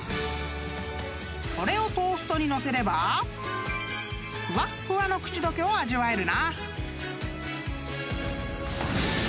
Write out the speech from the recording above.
［これをトーストに載せればふわっふわの口溶けを味わえるな］